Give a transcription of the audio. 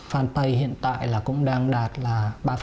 fanpage hiện tại cũng đang đạt là